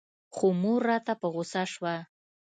خو مور راته په غوسه سوه.